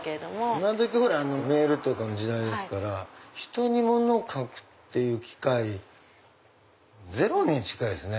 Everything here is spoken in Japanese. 今どきメールとかの時代ですからひとにものを書くっていう機会ゼロに近いですね。